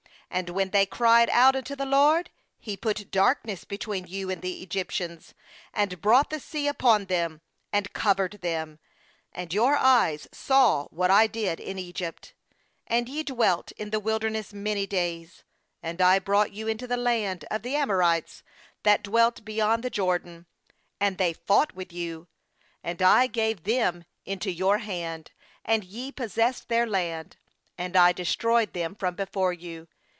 7And when they cried out unto the LORD, He put darkness between you and the Egyptians, and brought the sea upon them, and covered them; and your eyes saw what I did in Egypt; and ye dwelt in the wilderness many days. 8And [ brought you into the land of ;he Amorites, that dwelt beyond the Jordan; and they fought with you; 290 JOSHUA 24.29 and I gave them Into your hand, and ye possessed their land; and I de stroyed them from before you.